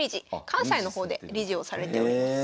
関西の方で理事をされております。